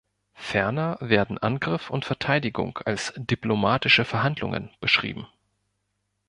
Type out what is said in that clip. Ferner werden Angriff und Verteidigung als „diplomatische Verhandlungen“ beschrieben.